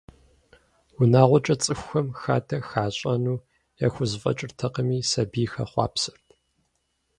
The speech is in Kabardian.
Унагъуэкӏэ цӏыхухэм хадэ хащӏэну яхузэфӏэкӏыртэкъыми, сабийхэр хъуапсэрт.